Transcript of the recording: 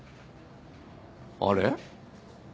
あれ？